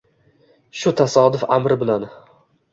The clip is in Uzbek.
Shu tasodif amri bilan